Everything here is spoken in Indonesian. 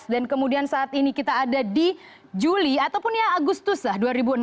dan kemudian saat ini kita ada di juli ataupun ya agustus lah dua ribu enam belas